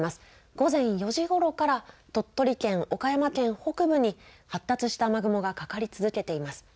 午前４時ごろから鳥取県、岡山県北部に発達した雨雲がかかり続けています。